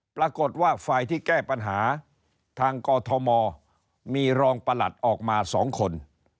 ปรากฏว่าฝ่ายที่แก้ปัญหาทางกอทมมีรองประหลัดออกมา๒คน